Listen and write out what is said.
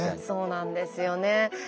そうなんですよね。